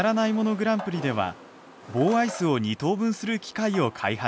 グランプリでは棒アイスを２等分する機械を開発。